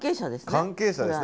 関係者ですね。